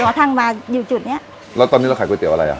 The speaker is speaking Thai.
ทางมาอยู่จุดเนี้ยแล้วตอนนี้เราขายก๋วเตีอะไรอ่ะ